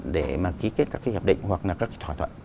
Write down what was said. để mà ký kết các hợp định hoặc là các thỏa thuận